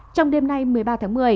trong đêm nay một mươi ba tháng một mươi